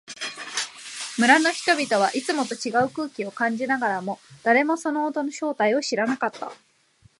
村の人々はいつもと違う空気を感じながらも、誰もその音の正体を知らなかった。